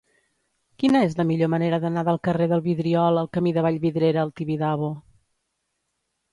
Quina és la millor manera d'anar del carrer del Vidriol al camí de Vallvidrera al Tibidabo?